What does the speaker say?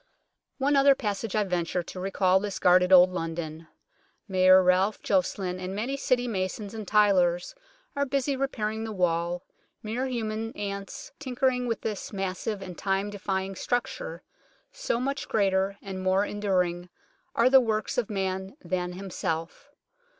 One other passage I venture, to recall this guarded Old London. Mayor Ralph Joceline and many City masons and tylers are busy repairing the wall, mere human ants tinkering with this massive and time defying structure, so much greater and more enduring are the works of man than himself.